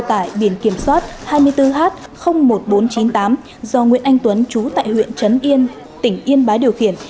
tại biển kiểm soát hai mươi bốn h một nghìn bốn trăm chín mươi tám do nguyễn anh tuấn trú tại huyện trấn yên tỉnh yên bái điều khiển